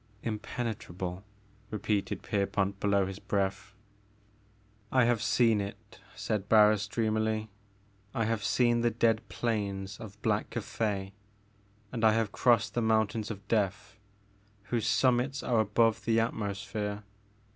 ''Impenetrable," repeated Pierpont below his breath. "I have seen it," said Barris dreamily. "I have seen the dead plains of Black Cathay and I have crossed the mountains of Death, whose summits are above the atmosphere.